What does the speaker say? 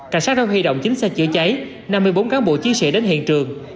cảnh sát đã huy động chính xe chữa cháy năm mươi bốn cán bộ chia sẻ đến hiện trường